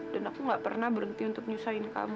dan aku gak pernah berhenti untuk menyusahkan kamu